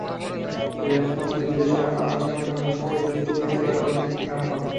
এখন দুই দেশের আলাপ-আলোচনার মাধ্যমে দ্রুত চুক্তি বাস্তবায়নের পদক্ষেপ নেওয়া হবে।